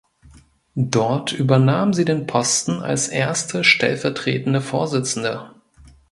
Dort übernahm sie den Posten als erste stellvertretende Vorsitzende.